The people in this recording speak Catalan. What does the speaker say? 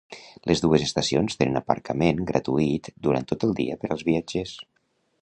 Les dues estacions tenen aparcament gratuït durant tot el dia per als viatgers.